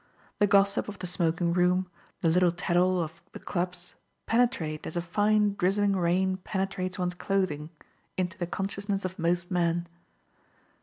The gossip of the smoking room, the little tattle of the clubs, penetrate, as a fine drizzling rain pene trates one's clothing, into the consciousness of most men.